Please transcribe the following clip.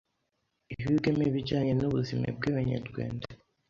higwemo ibijyenye n’ubuzime bw’ebenyerwende